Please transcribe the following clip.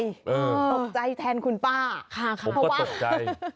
ตกใจแทนคุณป้า